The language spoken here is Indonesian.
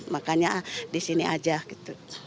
makanya ah di sini aja gitu